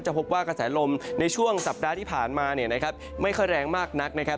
พบว่ากระแสลมในช่วงสัปดาห์ที่ผ่านมาเนี่ยนะครับไม่ค่อยแรงมากนักนะครับ